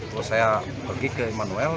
terus saya pergi ke emmanuel